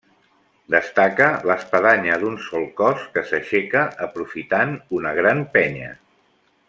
Destaca l'espadanya d'un sol cos que s'aixecà aprofitant una gran penya.